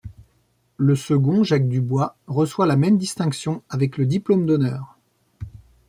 Le second, Jacques Dubois, reçoit la même distinction, avec le diplôme d’honneur.